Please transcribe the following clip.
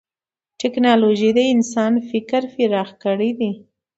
ټکنالوجي د انسان فکر پراخ کړی دی.